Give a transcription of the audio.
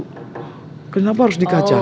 kenapa harus dikaca